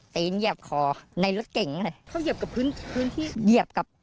ตีนเหยียบคอในรถเก่งเลยเขาเหยียบกับพื้นพื้นที่เหยียบกับ